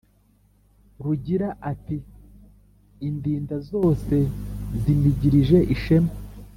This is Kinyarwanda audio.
Rugira ati » Indinda zose zinigirije ishema